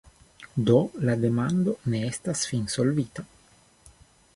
Do la demando ne estas finsolvita.